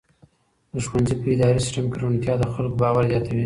د ښوونځي په اداري سیسټم کې روڼتیا د خلکو باور زیاتوي.